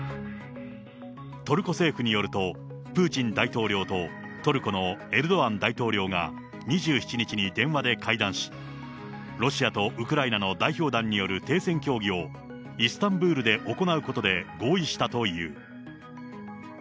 トルコ政府によると、プーチン大統領とトルコのエルドアン大統領が、２７日に電話で会談し、ロシアとウクライナの代表団による停戦協議を、イスタンブールで行うことで、合意したという。